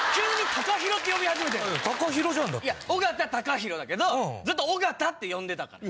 尾形貴弘だけどずっと「尾形」って呼んでたから。